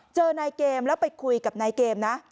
เจอนายเกมแล้วไปคุยกับนายเกมนะ